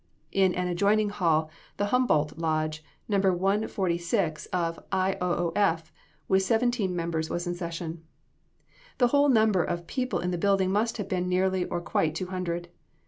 In an adjoining hall the Humboldt Lodge No. 146 of I. O. O. F. with seventeen members was in session. The whole number of people in the building must have been nearly or quite two hundred.